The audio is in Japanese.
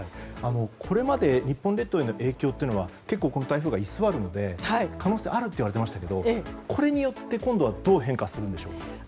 これまで日本列島への影響は結構、台風が居座るので可能性があるといわれていましたがこれによって今度はどう変化するんでしょうか。